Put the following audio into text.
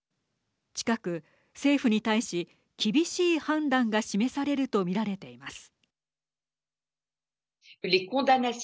近く、政府に対し厳しい判断が示されると見られています。